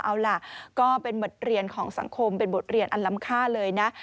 เอาล่ะก็เป็นบทเรียนของสังคมเป็นบทเรียนอันลำค่าเลยนะ